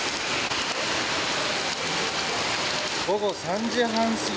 午後３時半すぎ